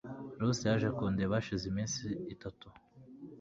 lucy yaje kundeba hashize iminsi itatu